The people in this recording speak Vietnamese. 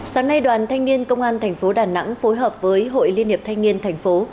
sáng nay đoàn thanh niên công an thành phố đà nẵng phối hợp với hội liên hiệp thanh niên thành phố